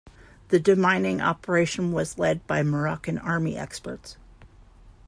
The demining operation was led by Moroccan army experts.